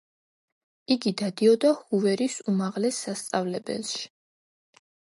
იგი დადიოდა ჰუვერის უმაღლეს სასწავლებელში.